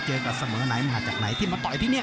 เจอกับเสมอไหนมาจากไหนที่มาต่อยที่นี่